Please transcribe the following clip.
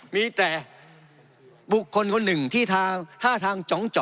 มีแต่บุคคลคนหนึ่งที่ท่าทางจ๋องเจาะ